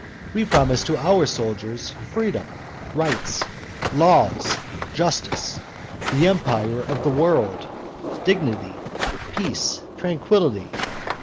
We promise to our soldiers freedom, rights, laws, justice, the empire of the world, dignity, peace, tranquillity.